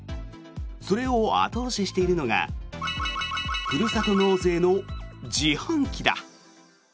それを後押ししているのがふるさと納税の自販機だ。